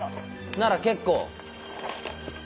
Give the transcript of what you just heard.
なら結構。